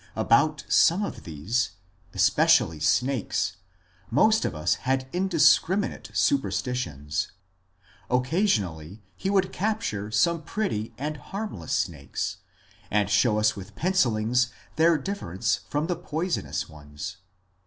About some of these — especially snakes — most of us had indiscriminate superstitions. Occasionally he would capture some pretty and harmless snakes, and show us with pencillings their difference from the poisonous ones.